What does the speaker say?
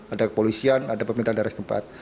ada kepolisian ada pemerintah dari tempat